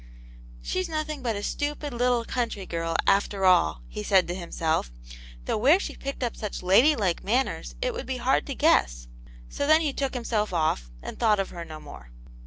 "She's nothing but a stupid V\\.\.\^ c<^>ycv\.\>j ^^^> 24 Aunt Jane's Hero. after all," he said to himself, "though where she picked up such lady like manners, it would be hard to guess ;" so then he took himself off and thought of her no more.